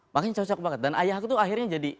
makanya cocok banget dan ayahku tuh akhirnya jadi